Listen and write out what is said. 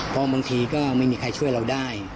เพราะบางทีก็ไม่มีใครช่วยเราได้